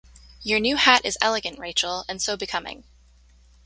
Your new hat is elegant, Rachael, and so becoming.